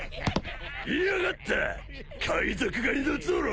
いやがった海賊狩りのゾロ！